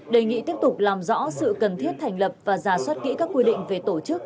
đề nghị tiếp tục làm rõ sự cần thiết thành lập và giả soát kỹ các quy định về tổ chức